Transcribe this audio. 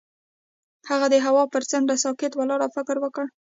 هغه د هوا پر څنډه ساکت ولاړ او فکر وکړ.